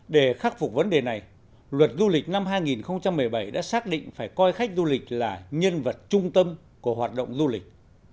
để khắc phục vấn đề này luật du lịch năm hai nghìn một mươi bảy đã xác định phải coi khách du lịch là nhân vật trung tâm của hoạt động du lịch